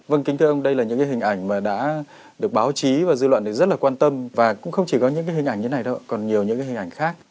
vâng kính thưa ông đây là những cái hình ảnh mà đã được báo chí và dư luận rất là quan tâm và cũng không chỉ có những hình ảnh như thế này đâu ạ còn nhiều những cái hình ảnh khác